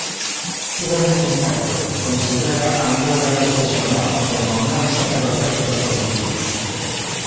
"Tivo moito impacto", considera Angueira a este xornal, "pero non só por aspectos positivos".